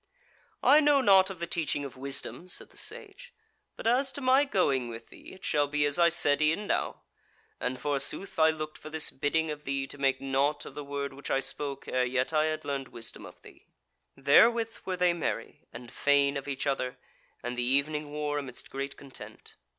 "I know not of the teaching of wisdom," said the Sage; "but as to my going with thee, it shall be as I said e'en now; and forsooth I looked for this bidding of thee to make naught of the word which I spoke ere yet I had learned wisdom of thee." Therewith were they merry, and fain of each other, and the evening wore amidst great content.